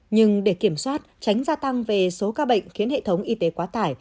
nhưng để kiểm soát tránh gia tăng về số ca bệnh khiến hệ thống y tế quá tải